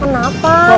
thank you anjir